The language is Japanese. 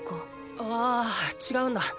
あー違うんだ。